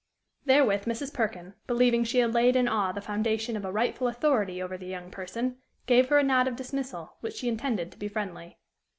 Therewith Mrs. Perkin, believing she had laid in awe the foundation of a rightful authority over the young person, gave her a nod of dismissal, which she intended to be friendly.